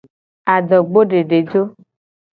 Adogbodedejo.